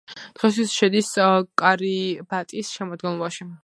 დღეისათვის შედის კირიბატის შემადგენლობაში.